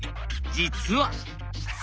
実は。